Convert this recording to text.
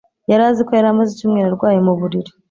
Yari azi ko yari amaze icyumweru arwaye mu buriri.